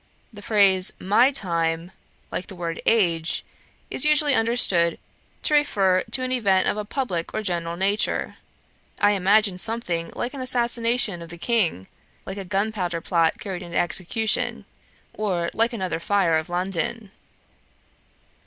The phrase my time, like the word age, is usually understood to refer to an event of a publick or general nature. I imagined something like an assassination of the King like a gunpowder plot carried into execution or like another fire of London.